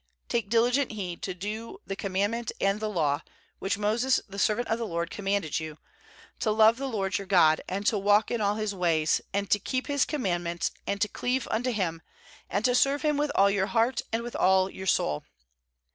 take diligent heed to do the com mandment and the law, which Moses the servant of the LORD commanded you, to love the LORD your God, and to walk in all His ways, and to keep His commandments, and to cleave unto Him, and to serve Him with all your heart and with all your soul.'